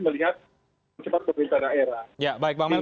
melihat pemerintah pemerintah daerah